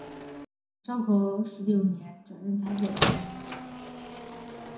昭和十六年转任台北第一高等女学校教师。